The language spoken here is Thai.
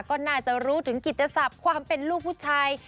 ก็น่าจะรู้ถึงกิจศัพท์ความเป็นลูกผู้ชาย